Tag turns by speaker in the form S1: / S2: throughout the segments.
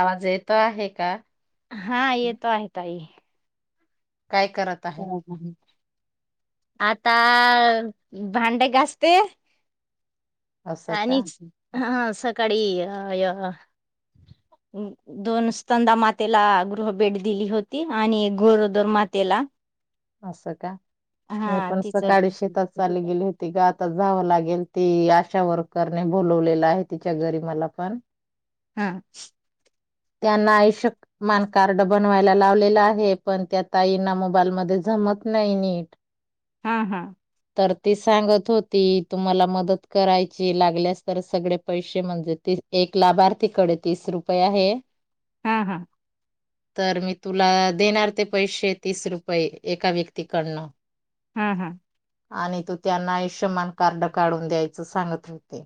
S1: आवाज येतो आहे का?
S2: हा येतो आहे ताई.
S1: काय करत आहे?
S2: हम हम. आता भांडे घासते.
S1: असं का?
S2: आणिच हा सकाळी अ दोन [unintelligible] मातेला गृह भेट दिली होती, आणि गोरदोर मातेला.
S1: असं का, मी
S2: हा
S1: पण
S2: तिच हा
S1: सकाळी शेतात चाली गेली होती ग आता जावं लागेल, ती आशा वर्करने बोलवलेलं आहे तिच्या घरी मला पण,
S2: हा
S1: त्यांना आयुष्यमान कार्ड बनवायला लावलेलं आहे, पण ते आता येईना मोबाईलमध्ये जमत नाही नीट.
S2: हा हा
S1: तर ती सांगत होती, तुम्हाला मदत करायची लागल्यास तर सगळे पैसे म्हणजे ते एक लाभार्थीकडे तीस रुपये आहे.
S2: हा हा
S1: तर मी तुला देणार ते पैसे तीस रुपये एका व्यक्तीकडनं.
S2: हम्म हम्म
S1: आणि तु त्यांना आयुष्यमान कार्ड काढून द्यायचं सांगत होते.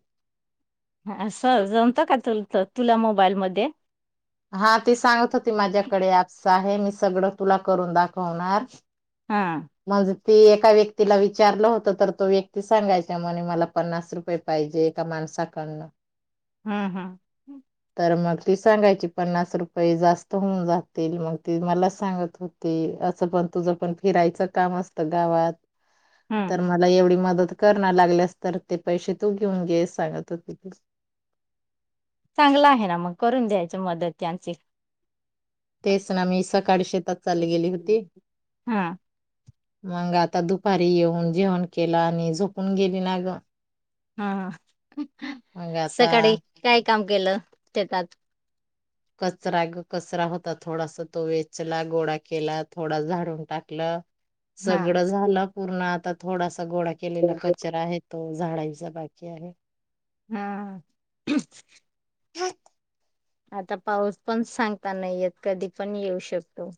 S2: ह असं जमतं का तु तुला मोबाईल मध्ये?
S1: हा ती सांगत होती, माझ्याकडे असं आहे मी सगळं तुला करून दाखवणार.
S2: हा
S1: म्हणजे ती एका व्यक्तीला विचारलं होतं, तर तो व्यक्ती सांगायचा म्हणे मला पन्नास रुपये पाहिजे एका माण सा कडनं
S2: हम् हम्
S1: तर मग ती सांगायची पन्नास रुपये जास्त होऊन जातील मग ती मला सांगत होती. तसं पण तुझं पण फिरायचं काम असतं गावात,
S2: हम्म
S1: तर मला एवढी मदत कर ना लागल्यास तर ते पैसे तू घेऊन घे असं सांगत होते ती.
S2: चांगला आहे ना मग, करून द्यायचं मदत त्यांची.
S1: तेच ना मी सकाळी शेतात चालली गेली होती.
S2: हा
S1: मग आता दुपारी येऊन जेवण केलं आणि झोपून गेली ना ग.
S2: हा ह,
S1: मग आता
S2: सकाळी काय काम केलं शेतात?
S1: कचरा कचरा होता थोडासा तो वेचला, गोळा केला, थोडा झाडून टाकलं.
S2: हा
S1: सगळं झालं पूर्ण आता थोडासा गोळा केलेला कचरा आहे तो झाडायचा बाकी आहे.
S2: हा
S1: [unintelligible]
S2: आता पाऊस पण सांगता नाही येत कधी पण येऊ शकतो.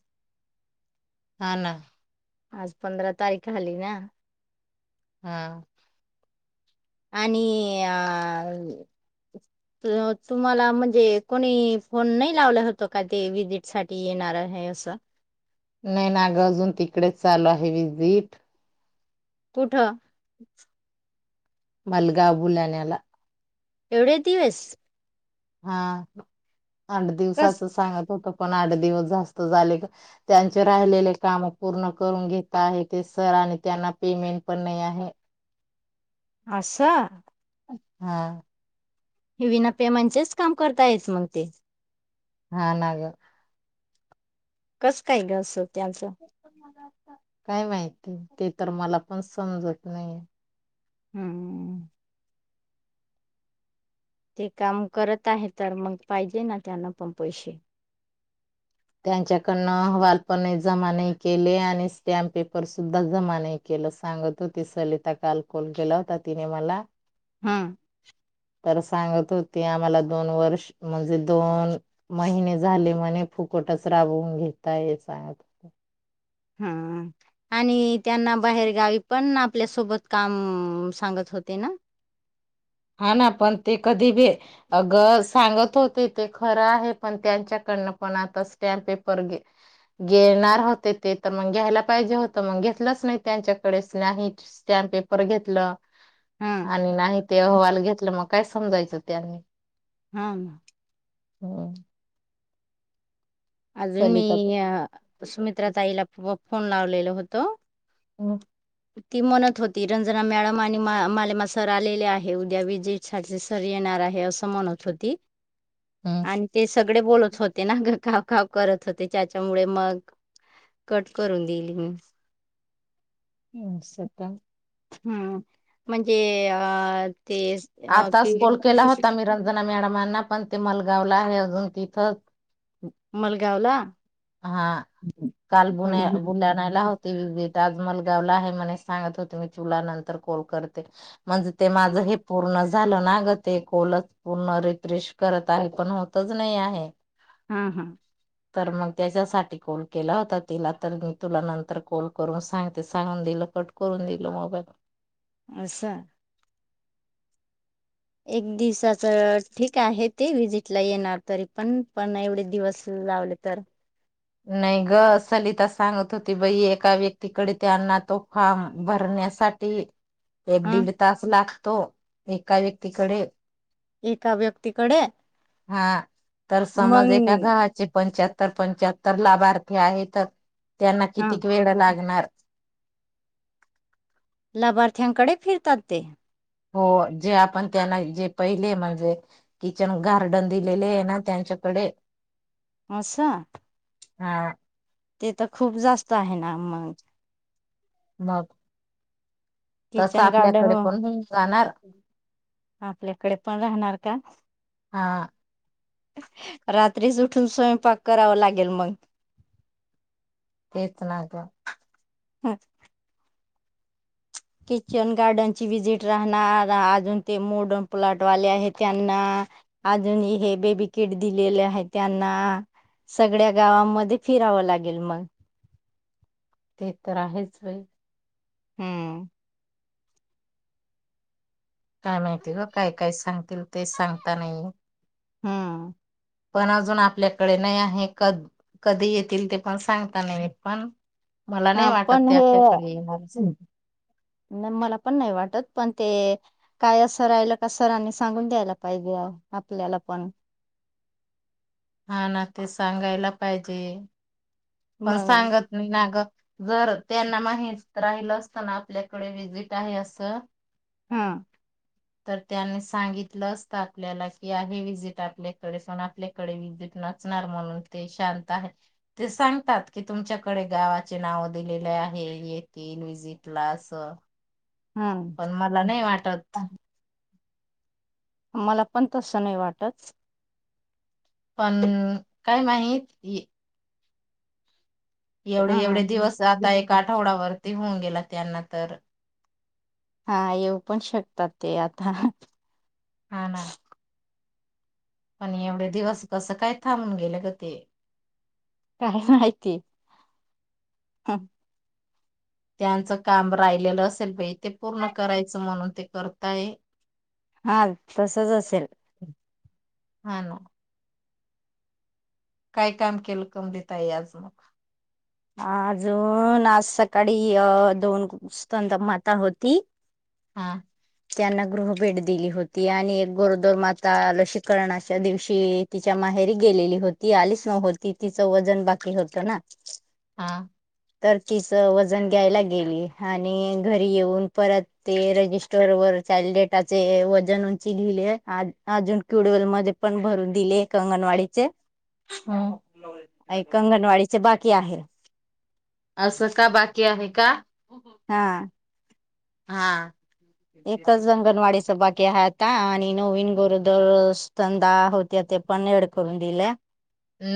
S1: हा ना.
S2: आज पंधरा तारीख आली ना?
S1: हा.
S2: आणि अ तुम्हाला म्हणजे कोणी फोन नाही लावला होतं का ते विजिट साठी येणार हे असं
S1: नाही ना अगं अजून तिकडेच चालू आहे व्हिसिट
S2: कुठं?
S1: मलगा बुलाण्याला
S2: एवढे दिवस...
S1: हा आठ
S2: कस
S1: दिवसाच सांगत होत... आठ दिवसत झा त्यां राहि काम पूर्ण करून घेता आहेत ते सर.. आणि त्यांना पेमेंट पण नाही आहे..
S2: आशा...
S1: ह...
S2: हे विनापेमांचेच काम करता येत मग ते..
S1: हा ना ग...
S2: कस काय ग असं.. त्यांचं
S1: काय माहिती ते तर मला पण समजत नाहीे..
S2: हम्म.... ते काम करत आहे तर मग पाहिजे ना त्यांना पण पैसे...
S1: त्यांच्याकडनं अहवालपण जमा नाही केले आणि स्टॅम्प पेपर सुद्धा जमा नाही केले.. सांगत होती सलिता काल कॉल गेला होता तिने मला...
S2: हम्म..
S1: तर सांगत होती आम्हाला दोन वर्ष म्हणजे दोन महिने झाले म्हणे... फुकटच राबवून घेतताय हे सांगत होत...
S2: हम आणि त्यांना बाहेर गावी पण आपल्यासोबत काम सांगत... होते ना..
S1: हा ना पण ते कधी भी अग सांगत होते ते खरं आहे पण त्यांच्या... कडनं पण आता स्टॅम्प पेपर घेणार होते ते घ्यायला पाहिजे होत मग... घेतलंच नाही त्यांच्याकडे नाही स्टॅम्प पेपर घेतलं
S2: हा
S1: आणि नाही... ते अहवाल घेतलं मग काय समजायचं त्यांनी...
S2: हा...
S1: हम्...
S2: अजून
S1: तर-
S2: मी सुमित्रा ताईला फोन लावलेलो होतो...
S1: हो...
S2: ती म्हणत होती रंजना मॅडम आणि मालेमा सर आलेले आहे उद्या विजय झाचे सर येणार... येणार आहे असं म्हणत होती आणि ते सगळे बोलत होते ना ग.. काम करत होते त्याच्यामुळे मग कट करून दिली मी....
S1: हम्म,
S2: हम् म्हणजे अ ते अ क...
S1: आताच कॉल केला होता मी रंजना मॅडमांना पण ते मलगावला आहे अजून तिथं..
S2: मलगाव ला...
S1: हा काल बुण्या
S2: हा
S1: बुलढाण्याला होती आज मलगाव नंदगावला आहे म्हणे सांगत होतो मी तुला नंतर कॉल करते म्हणजे ते माझं हे पूर्ण झालं ना ग ते खोलच पूर्ण रिफ्रेश करत आहे पण होतच नाही आहे..
S2: हा हा..
S1: तर मग... त्याच्यासाठी कॉल केला होता तिला तर मी तुला नंतर कॉल करून सांगते सांगून दिलं कट करून.. दिल मोबाईल..
S2: असा.. एक दिवसाच ठीक आहे ते विजिटला येणार तरी पण पण एवढे दिवस... लावली तर...
S1: नाही ग सलिता सांगत होती बाई एका व्यक्तीकडे त्यांना तो फॉर्म भरणार... साठी एक
S2: ह
S1: दीड तास लागतो एका व्यक्तीकडे..
S2: एका व्यक्तीकडे..
S1: हा तर
S2: मग
S1: समज एका गव्हाचे पंचाहत्तर पंचाहत्तर लाभार्थी आहेत... त्यांना
S2: हा
S1: कितीक वेळ लागणार
S2: लाभार्थ्यांकडे फिरतात ते...
S1: हो जे आपण त्यांना जे पहिले म्हणजे किचन गार्डन दिलेले आहे ना त्यांच्या. कडे
S2: आसा
S1: हा
S2: ताहे ना मग
S1: मग तस
S2: किचन गार्डन
S1: आपल्याकडे पण जाणार
S2: आपल्याकडे पण राहणार का?
S1: हा
S2: रात्रीच उठून स्वयंपाक करावा लागेल मग
S1: तेच ना ग
S2: हम् किचन गार्डन ची विजिट राहणार अजून ते मोडर्न प्लॉट वाले आहेत त्यांना अजून हे बेबी किट दिलेले आहे त्यांना सगळ्या गावमध्ये फिरावं लागेल मग.
S1: ते तर आहेच होय.
S2: हम्म
S1: काय माहिती ग काय काय सांगतील तेच सांगता नाही
S2: हम्म
S1: पण अजून आपल्याकडे नाही आहे क कधी येतील ते पण सांगताना पण मला नाही
S2: हा
S1: वाटत
S2: पण
S1: ते आपल्याकडे येणार
S2: नाही मला पण नाही वाटत पण ते काय अस सर राहिलं का सरांनी सांगून द्यायला पाहिजे. आपल्याला पण
S1: हा ना ते सांगायला पाहिजे पण
S2: मग
S1: सांगत नाही ना ग जर त्यांना माहीत राहिलं असताना आपल्याकडे विज्हिट आहे असं
S2: हा
S1: तर त्यांनी सांगितलं असतं आपल्याला की आहे विजिट आपल्याकडे आपल्याकडे विजिट नचणार म्हणून ते शांत आहे ते सांग तात की तुमच्याकडे गावाचे नाव दिलेले आहे येथील विजिटला अस
S2: हा
S1: पण मला नाही वाटत
S2: मला पण तसं नाही वाटत.
S1: पण काय माहित? एवढे
S2: हा
S1: एवढे दिवस आता एका आठवडावरती होऊन गेला त्यांना तर
S2: हा येऊ पण शकतात ते आता
S1: हा ना पण एवढे दिवस कसं काय थांबून गेले ग ते
S2: काय माहिती? हा
S1: त्यांचं काम राहिलेलं असेल पई ते पूर्ण करायचं म्हणून ते करताय
S2: हा तसच असेल.
S1: हा ना. काय काम केलं कमलीताई आज मग?
S2: अजून आज सकाळी अ दोन स्तनदा माता होती
S1: हा
S2: त्यांना गृह भेट दिली होती आणि एक गोरदोर माता लशीकरणाच्या दिवशी तिच्या हे गेलेली होती आलीच न होती तिच वजन बाकी होत ना
S1: हा
S2: तर तिच वजन घ्यायला गेली आणि घरी येऊन परत ते रजिस्टोर व चा डेट वजन उंची लिहिले अजून क्युडल मध्ये पण भर दिले. अंगणवाडीचे
S1: हो.
S2: अंगणवाडीचे बाकी आहे.
S1: असं का बाकी आहे का
S2: हा
S1: हा.
S2: एकच अंगणवाडीचं बा ते हा ता आणि नवीन गोरदर स्तनदा होत्या त्या पण ऐड करून दिल्या.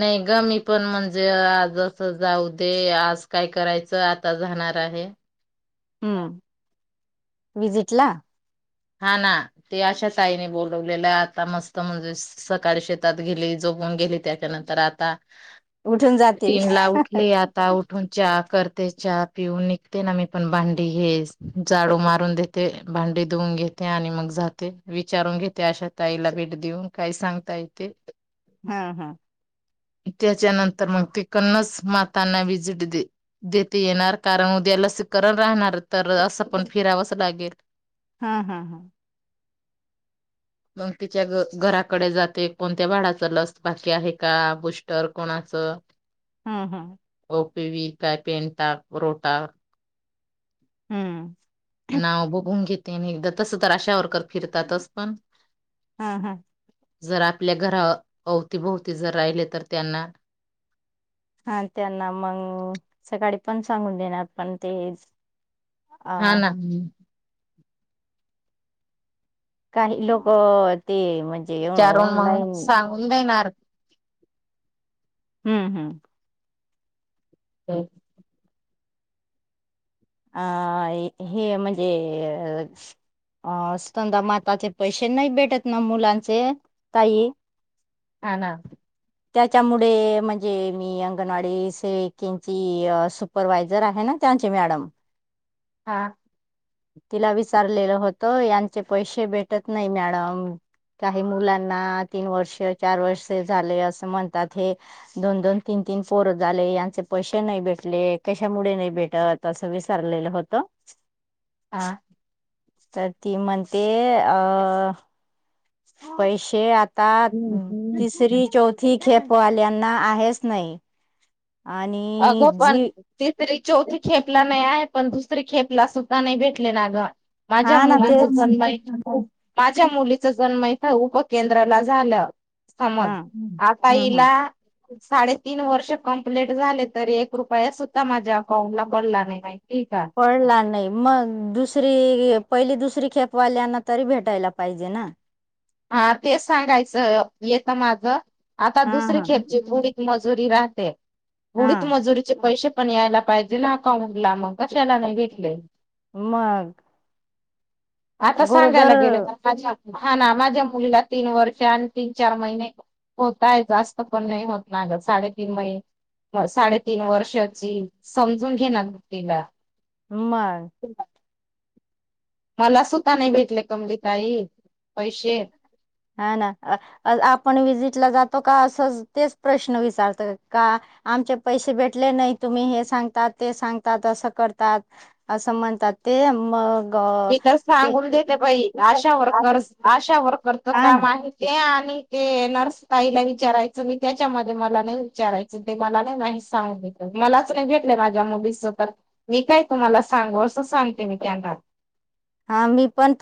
S1: नई ग मी पण म्हणजे आजं असं जाऊ दे आज काय करायचं आता झा नार आहे.
S2: हम्म विजिट ला
S1: हा ना ते अशा ताईने बोलवलेलं आता मस्त म्हणजे सकाळी शेतात गेली जो होऊन गेली त्याच्यानंतर आता
S2: उठून जातील
S1: तीन ला
S2: हा
S1: उठली आता उठून च्या कर. ते हा पिऊन निघते ना मी पण भांडी हे जाडू मारून देते भांडी धूऊन घे ते आणि मग जाते विचारून घेते अशात ताईला भेट देऊन काय सांगताय ते.
S2: हां हां.
S1: त्याच्यानंतर मग ते कन्नस मातांना व्हिजिट दे देेते येणार कारण उद्या लसीकरण राहणार तर असं पण फिरावंच लागेल.
S2: हां हां हां.
S1: मग तिच्या घ घराकडे जाते कोणत्या भाडाच लस बाकी आहे का बुस्टर कोन नाचं.
S2: हं हं.
S1: [unintelligible]
S2: हम्म.
S1: नाव बघून घेते आणि एकदा तस तर आशा वरकर फिरतातच पण
S2: हा हा
S1: जर आपल्या घरा अवतीभोवती जर राहिले तर त्यांना
S2: हा त्यांना मंग सकाळी पण सांगून देणार पण ते
S1: हा
S2: अ
S1: ना.
S2: काही लोक ते म्हणजे
S1: विचारून मग
S2: ऑनलाईन
S1: सांगून देणार
S2: हम्म हम्म.
S1: [unintelligible]
S2: आय हे म्हणजे अ अ स्तनदा माताचे पैसे नाही भेटत ना मुलांचे ताई?
S1: हा ना.
S2: त्याच्या मुडे म्हणजे मी अंगणवाडी सेविकेंची सुप्रवायझर आहे ना. त्यांच्या मॅडम
S1: हा.
S2: तिला विचारलेलं होतं यांचे पैसे भेटत नाही मॅडम. काही मुलांना तीन वर्ष चार वर्ष झाले असं म्हणतात हे दोन दोन तीन तीन पोर झाले यांचे पैसे नाही भेटले. कशामुळे नाही भेटत असं विचारलेलं होतं. [unintelligible]
S1: हा.
S2: तर ती म्हणतेअ पैसे आत ता तिसरी चौथी [unintelligible] वाल्यांना आलेच नाही आणि
S1: अगं पण
S2: जी
S1: तिसरी चौथी खेप ला नाही आहेत. पण दुसरी खेप ला स्वता नाही भेटले ना ग. माझ्या
S2: हा ना
S1: मुलीचं
S2: तेच
S1: पण बाई, माझ्या मुली च पण नई का उपकेंद्राला झालं होम
S2: हा
S1: वर्क
S2: हम्म
S1: आता
S2: हम्म
S1: हिला साडेतीन वर्ष कम्प्लिट झाले तरी पण एक रुपया सुद्धा माझ्या अकाउंटला पडला नाही मई.
S2: पडला नाही मग दुसरी अ पहिली दुसरी खेप वाल्यांना तरी भेटायला पाहिजे ना.
S1: हा तेच सांगायचं इयत्ता माझं आता
S2: हा
S1: दुसरी
S2: हा
S1: खेप जी बुडीत मजुरी राहते. बुडीत
S2: हा
S1: मजुरीचे पैसे पण यायला पाहिजे ना अकाउंटला म कशाला नाही घेतले.
S2: मग. गरोदर
S1: [unintelligible] [unintelligible] [unintelligible] [unintelligible]
S2: [unintelligible] [unintelligible] [unintelligible]
S1: [unintelligible]
S2: ते म. हा ना
S1: [unintelligible] [unintelligible] [unintelligible]
S2: [unintelligible] [unintelligible] विषयी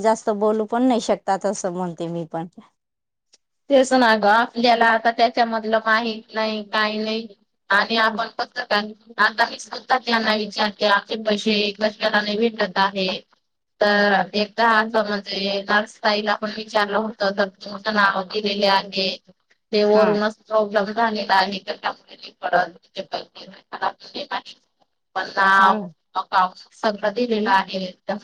S2: जास्त बोलू पण नाही शकतात असं म्हणते मी पण.
S1: तेच ना ग आपल्याला आता त्याच्यामधलं माहीत नाही काही नाही. आणि आपण पत का आता मी स्तात त्यांना विचारते आमचे पैसे एकदाला नाही भेट कर आहे तर एकदा हा म्हणजे नतााईल आपण विचारलं होत तर तुमचं नाव दिलेले आहे ते
S2: हा
S1: वरुून प्रॉब्लेम प प
S2: हा ना.
S1: पण सगळं दिलेलं आहे